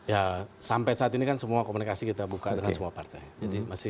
ya sampai saat ini kan semua komunikasi kita buka dengan semua partai